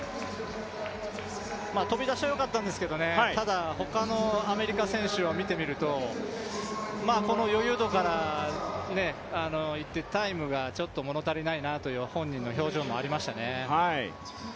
飛び出しはよかったんですけどね、ただ他のアメリカ選手を見てみるとこの余裕度からいってタイムがちょっと物足りないなという本人の表情がありましたね。